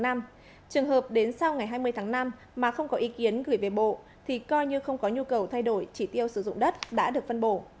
trường hợp đến sau ngày hai mươi tháng năm mà không có ý kiến gửi về bộ thì coi như không có nhu cầu thay đổi chỉ tiêu sử dụng đất đã được phân bổ